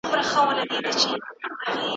ایا د خیر محمد لور به په پلار وویاړي؟